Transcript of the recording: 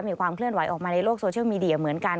มีความเคลื่อนไหวออกมาในโลกโซเชียลมีเดียเหมือนกัน